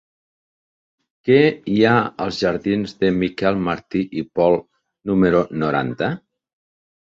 Què hi ha als jardins de Miquel Martí i Pol número noranta?